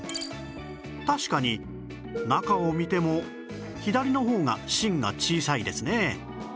確かに中を見ても左の方が芯が小さいですね